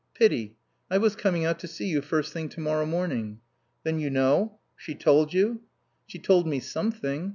"Pity. I was coming out to see you first thing tomorrow morning." "Then you know? She told you?" "She told me something."